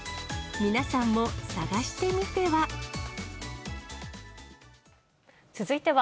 皆さんも探してみては。